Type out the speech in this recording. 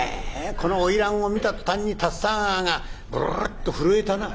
「この花魁を見た途端に竜田川がブルブルッと震えたな」。